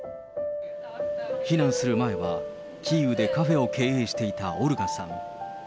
避難する前は、キーウでカフェを経営していたオルガさん。